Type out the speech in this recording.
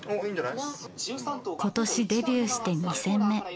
今年デビューして２戦目。